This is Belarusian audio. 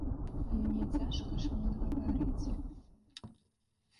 Мне цяжка шмат гаварыць.